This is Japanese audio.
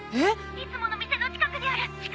いつもの店の近くにある竹林公園！